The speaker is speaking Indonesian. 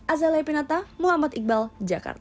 azalea pinata muhammad iqbal jakarta